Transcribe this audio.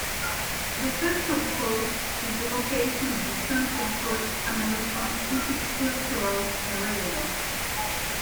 The Central Coast is the location of the Central Coast American Viticultural Area.